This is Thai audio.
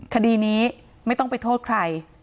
คดีนี้ไม่ต้องไปโทษใคร